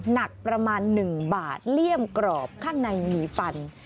หนักประมาณ๑บาทเลี่ยมกรอบข้างในมีฟัน